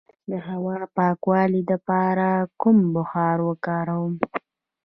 د هوا د پاکوالي لپاره کوم بخار وکاروم؟